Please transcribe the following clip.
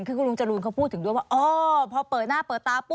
คือกุรุงอาหารกมพูดถึงด้วยว่า